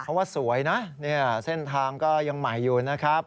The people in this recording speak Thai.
เพราะว่าสวยนะเส้นทางก็ยังใหม่อยู่นะครับ